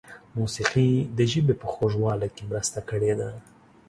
موسیقۍ د ژبې په خوږوالي کې مرسته کړې ده.